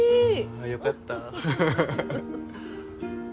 よかった。